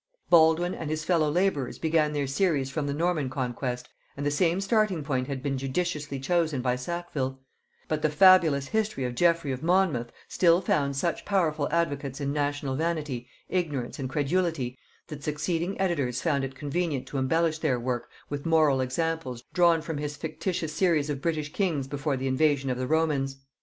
Baldwyne and his fellow laborers began their series from the Norman conquest, and the same starting point had been judiciously chosen by Sackville; but the fabulous history of Geffrey of Monmouth still found such powerful advocates in national vanity, ignorance and credulity, that succeeding editors found it convenient to embellish their work with moral examples drawn from his fictitious series of British kings before the invasion of the Romans.